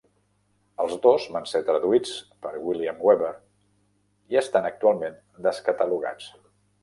Els dos van ser traduïts per William Weaver i estan actualment descatalogats.